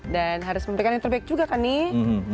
dan harus memperbaikannya juga kan nih